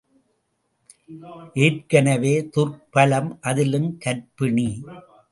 ஏற்கனவே துர்ப்பலம் அதிலும் கர்ப்பிணி.